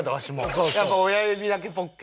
やっぱ親指だけポッケ。